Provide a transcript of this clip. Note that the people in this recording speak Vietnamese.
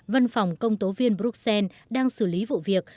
văn phòng công tố viên bruxelles đang xử lý vụ việc